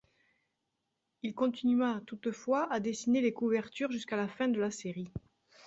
Il continua toutefois à dessiner les couvertures jusqu'à la fin de la série.